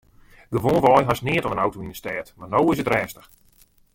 Gewoanwei hast neat oan in auto yn 'e stêd mar no is it rêstich.